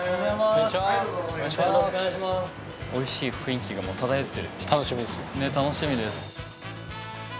おいしい雰囲気が漂ってる。